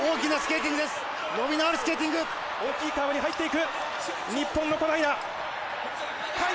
大きいカーブに入っていく。